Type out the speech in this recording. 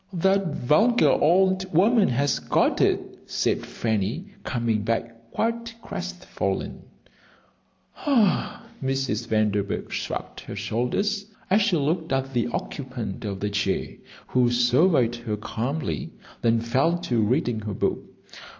"That vulgar old woman has got it," said Fanny, coming back quite crestfallen. "Ugh!" Mrs. Vanderburgh shrugged her shoulders as she looked at the occupant of the chair, who surveyed her calmly, then fell to reading her book.